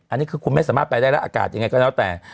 อันนี้คือคุณไม่สามารถไปได้แล้วอากาศยังไงก็แล้วแต่